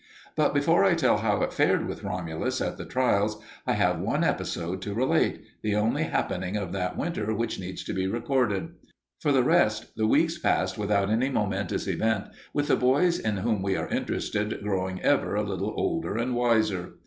But before I tell how it fared with Romulus at the trials, I have one episode to relate, the only happening of that winter which needs to be recorded. For the rest, the weeks passed without any momentous event, with the boys in whom we are interested growing ever a little older and wiser.